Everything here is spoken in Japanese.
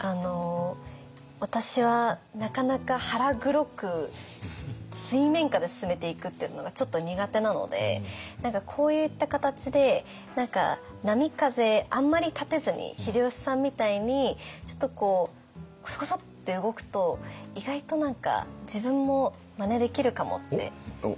私はなかなか腹黒く水面下で進めていくっていうのがちょっと苦手なのでこういった形で波風あんまり立てずに秀吉さんみたいにちょっとこうコソコソって動くと意外と自分もまねできるかもって。